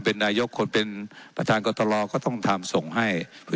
เจ้าหน้าที่ของรัฐมันก็เป็นผู้ใต้มิชชาท่านนมตรี